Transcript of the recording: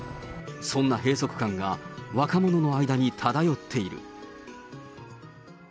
そんな閉塞感が、若者の間に漂っている。